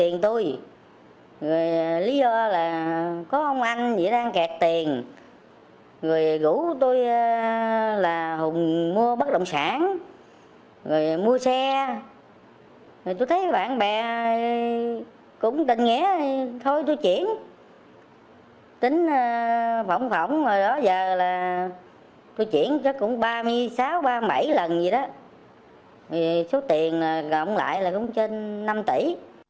người mua xe tôi thấy bạn bè cũng tình nghĩa thôi tôi chuyển tính phỏng phỏng rồi đó giờ là tôi chuyển cũng ba mươi sáu ba mươi bảy lần gì đó số tiền gọng lại là cũng trên năm tỷ